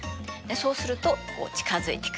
そうすると近づいていく。